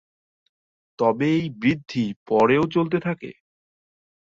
তবে এই বৃদ্ধি পরেও চলতে থাকে।